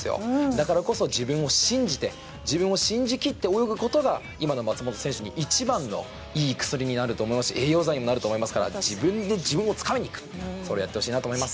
だからこそ自分を信じて自分を信じ切って泳ぐことが今の松元選手に一番のいい薬になると思うし栄養剤になると思いますから自分で自分をつかみにいくそれをやってほしいと思います。